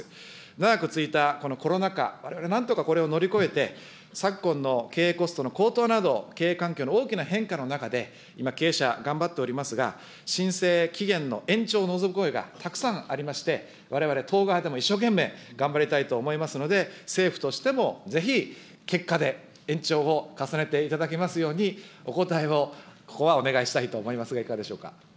長く続いたこのコロナ禍、われわれなんとかこれを乗り越えて、昨今の経営コストの高騰など、経営環境の大きな変化の中で、今、経営者頑張っておりますが、申請期限の延長を望む声がたくさんありまして、われわれ党側でも一生懸命頑張りたいと思いますので、政府としてもぜひ、結果で延長を重ねていただけますように、お答えを、ここはお願いしたいと思いますが、いかがでしょうか。